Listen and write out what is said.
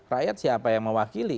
rakyat siapa yang mewakili